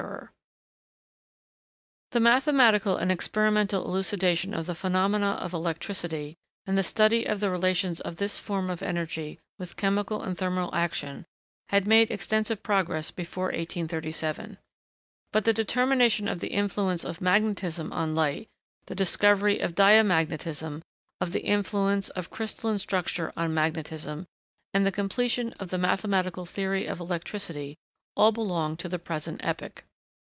[Sidenote: Electricity.] The mathematical and experimental elucidation of the phenomena of electricity, and the study of the relations of this form of energy with chemical and thermal action, had made extensive progress before 1837. But the determination of the influence of magnetism on light, the discovery of diamagnetism, of the influence of crystalline structure on magnetism, and the completion of the mathematical theory of electricity, all belong to the present epoch.